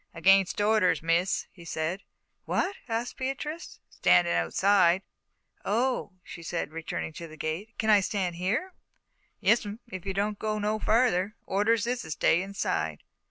"Against orders, Miss," he said. "What?" asked Beatrice. "Standin' outside." "Oh," she said, returning to the gate. "Can I stand here?" "Yes'm, if you don't go no further. Orders is to stay inside."